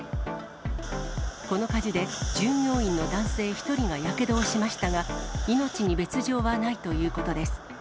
この火事で、従業員の男性１人がやけどをしましたが、命に別状はないということです。